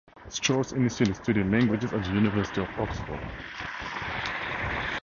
Strauss initially studied languages at the University of Oxford.